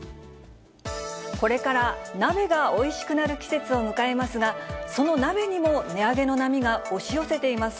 これから鍋がおいしくなる季節を迎えますが、その鍋にも値上げの波が押し寄せています。